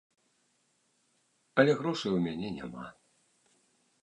Але грошай у мяне няма.